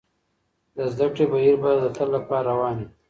د زده کړې بهير به د تل لپاره روان وي.